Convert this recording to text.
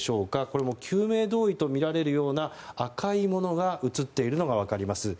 これも救命胴衣とみられるような赤いものが写っているのが分かります。